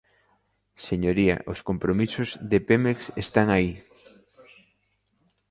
Señoría, os compromisos de Pemex están aí.